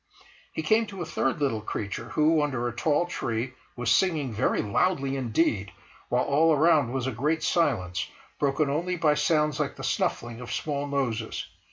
He came to a third little creature who, under a tall tree, was singing very loudly indeed, while all around was a great silence, broken only by sounds like the snuffling of small noses.